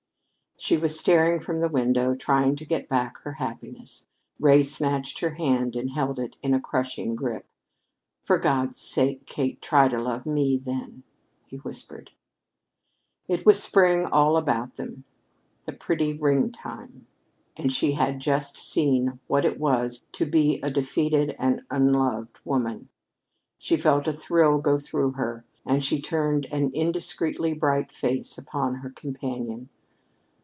She was staring from the window, trying to get back her happiness. Ray snatched her hand and held it in a crushing grip. "For God's sake, Kate, try to love me, then!" he whispered. It was spring all about them, "the pretty ring time," and she had just seen what it was to be a defeated and unloved woman. She felt a thrill go through her, and she turned an indiscreetly bright face upon her companion.